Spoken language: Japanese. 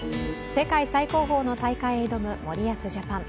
世界最高峰の大会へ挑む森保ジャパン。